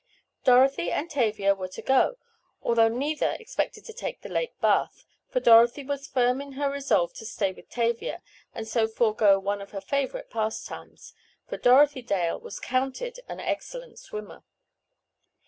Dorothy and Tavia were to go, although neither expected to take the lake bath, for Dorothy was firm in her resolve to stay with Tavia, and so forego one of her favorite pastimes, for Dorothy Dale was counted an excellent swimmer.